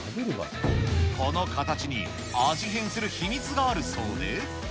この形に、味変する秘密があるそうで。